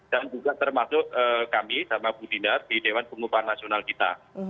dan juga termasuk kami sama bu dinar di dewan pengupahan nasional kita